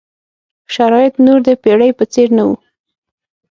شرایط نور د پېړۍ په څېر نه وو.